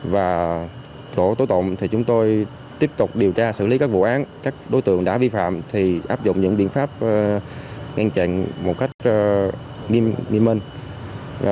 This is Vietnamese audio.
và tổ tối tộm thì chúng tôi tiếp tục điều tra xử lý các vụ án các đối tượng đã vi phạm thì áp dụng những biện pháp ngăn chặn một cách nghiêm minh